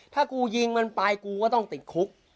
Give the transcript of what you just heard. ถ้ากูยิงมันไปกูก็ต้องติดคุก